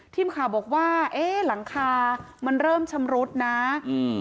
ทีมข่าวบอกว่าเอ๊ะหลังคามันเริ่มชำรุดนะอืม